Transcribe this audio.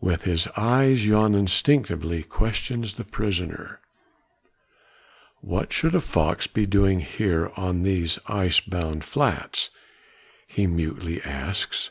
With his eyes Jan instinctively questions the prisoner: "What should a fox be doing here on these ice bound flats?" he mutely asks.